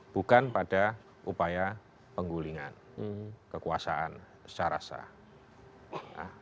bukan pada upaya penggulingan kekuasaan secara sah